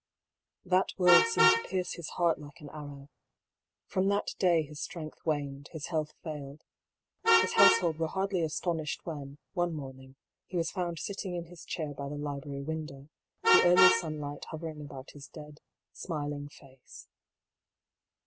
" That word seemed to pierce his heart like an arrow. From that day his strength waned, his health failed. His household were hardly astonished when, one morn ing, he was found sitting in his chair by the library window, the early sunlight hovering about his dead, smiling face.